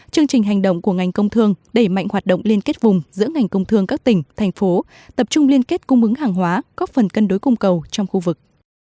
chương trình hành động của ngành công thương đẩy mạnh hoạt động liên kết vùng giữa ngành công thương các tỉnh thành phố tập trung liên kết cung ứng hàng hóa góp phần cân đối cung cầu trong khu vực